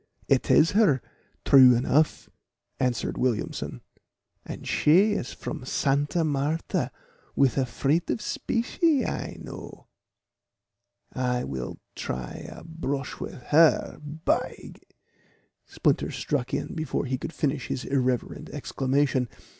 "It is her, true enough," answered Williamson; "and she is from Santa Martha with a freight of specie, I know. I will try a brush with her, by " Splinter struck in before he could finish his irreverent exclamation.